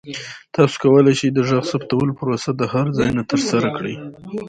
تاسو کولی شئ د غږ ثبتولو پروسه د هر ځای نه ترسره کړئ.